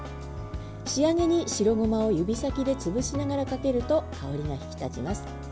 仕上げに白ごまを指先で潰しながらかけると香りが引き立ちます。